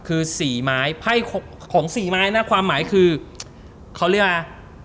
คือ๔ไม้ไพ่ของ๔ไม้นะความหมายคือเขาเรียกมั้ย